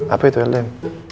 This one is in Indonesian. apa itu ldm